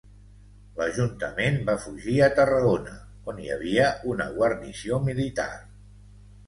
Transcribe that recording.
L'ajuntament va fugir a Tarragona, on hi havia una guarnició militar.